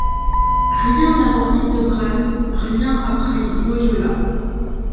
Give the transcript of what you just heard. Rien avant Hildebrand, rien après Loyola.